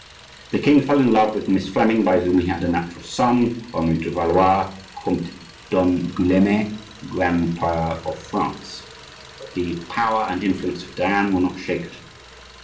The king fell in love with Miss Fleming, by whom he had a natural son, Henri de Valois, Comte d'Angouleme, grand prior of France. But the power and influence of Diane were not shaken.